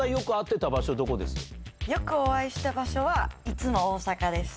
よくお会いした場所はいつも大阪です。